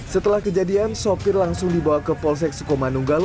setelah kejadian sopir langsung dibawa ke polsek sukomanunggal